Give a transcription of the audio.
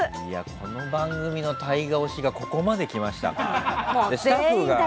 この番組のＴＡＩＧＡ推しがここまで来ましたが。